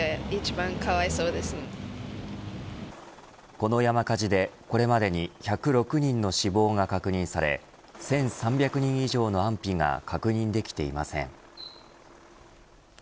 この山火事で、これまでに１０６人の死亡が確認され１３００人以上の安否が確認できていません。